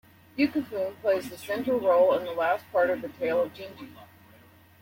Ukifune plays the central role in the last part of The Tale of Genji.